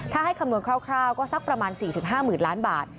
ถ้าให้คำนวนคร่าวก็สักประมาณ๔๕๐๐๐ล้านบาท